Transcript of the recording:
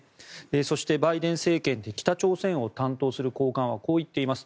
そして、バイデン政権で北朝鮮を担当する高官はこう言っています。